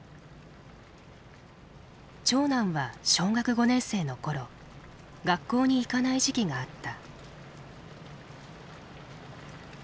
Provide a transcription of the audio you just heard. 長男は小学５年生の頃学校に行かない時期があった。